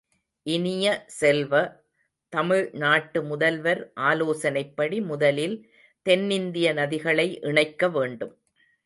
இனிய செல்வ, தமிழ் நாட்டு முதல்வர் ஆலோசனைப்படி முதலில் தென்னிந்திய நதிகளை இணைக்க வேண்டும்.